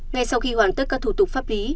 ngay sau khi hoàn tất các thủ tục pháp lý